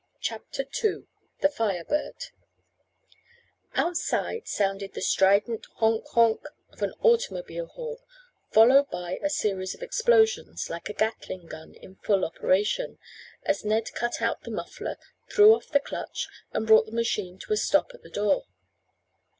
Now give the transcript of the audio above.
CHAPTER II THE FIRE BIRD Outside sounded the strident "honk honk" of an automobile horn, followed by a series of explosions, like a Gatling gun in full operation, as Ned cut out the muffler, threw off the clutch, and brought the machine to a stop at the door.